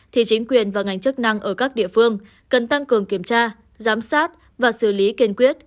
thì chính quyền và ngành chức năng ở các địa phương cần tăng cường kiểm tra giám sát và xử lý kiên quyết